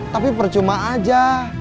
tapi percuma aja